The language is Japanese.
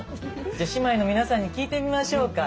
じゃあ姉妹の皆さんに聞いてみましょうか。